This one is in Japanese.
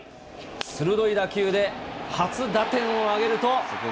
鋭い打球で、初打点をあげると。